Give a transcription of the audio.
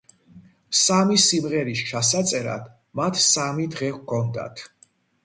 სამი სიმღერის ჩასაწერად მათ სამი დღე ჰქონდათ.